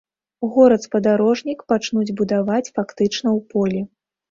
Горад-спадарожнік пачнуць будаваць фактычна ў полі.